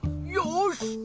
よし！